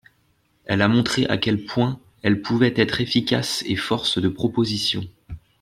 Elle a montré à quel point elle pouvait être efficace et force de proposition.